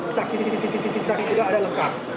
saksi saksi juga ada lengkap